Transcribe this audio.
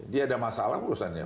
dia ada masalah perusahaannya